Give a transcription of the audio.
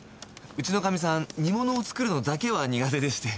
うちのかみさん煮物を作るのだけは苦手でして。